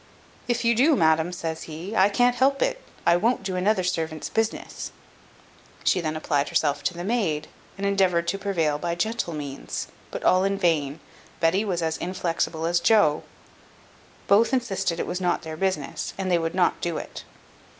"If you do, madam," says he, "I can't help it. I won't do another servant's business." She then applied herself to the maid, and endeavoured to prevail by gentle means; but all in vain: Betty was as inflexible as Joe. Both insisted it was not their business, and they would not do it.